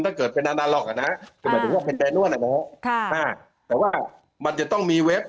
ถ้าเกิดไปนานหรอกนะแต่ว่ามันจะต้องมีเว็บ